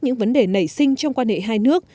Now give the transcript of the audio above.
những vấn đề nảy sinh trong quan hệ hai nước